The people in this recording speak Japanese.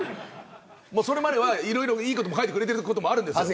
それまでは、いろいろいいことも書いてくれてることもあるんですよ。